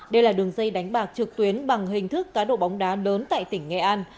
đây là đường dây đánh bạc trực tuyến bằng hình thức cá độ bóng đá lớn tại tỉnh nghệ an